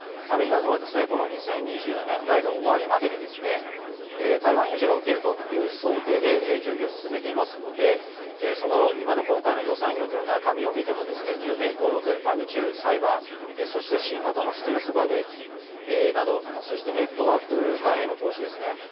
アメリカ軍は２０２０年代の終わりまでに台湾有事が起きるという想定で準備を進めていますので今の今回の予算要求の中身を見ても重点項目、宇宙、サイバーそして新型のステルス爆撃機そして、ネットワーク艦への投資ですね。